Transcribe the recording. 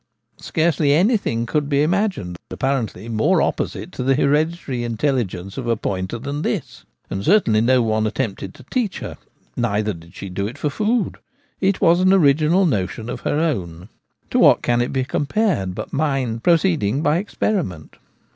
Scarcely anything could be imagined apparently more opposite to the hereditary intelligence of a pointer than this ; and certainly no one attempted to teach her, neither did she do it for food. It was an original motion of her own : to what can it be compared but mind proceeding by experi ment?